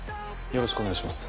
よろしくお願いします。